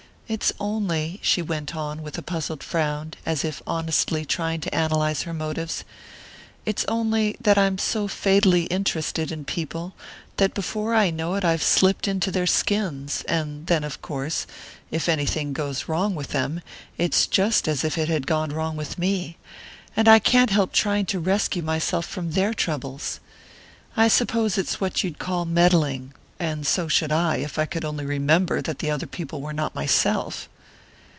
It's only," she went on, with a puzzled frown, as if honestly trying to analyze her motives, "it's only that I'm so fatally interested in people that before I know it I've slipped into their skins; and then, of course, if anything goes wrong with them, it's just as if it had gone wrong with me; and I can't help trying to rescue myself from their troubles! I suppose it's what you'd call meddling and so should I, if I could only remember that the other people were not myself!"